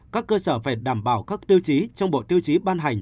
các cơ sở phải đảm bảo các tiêu chí trong bộ tiêu chí ban hành